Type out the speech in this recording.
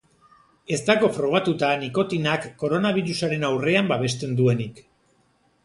Ez dago frogatuta nikotinak koronabirusaren aurrean babesten duenik.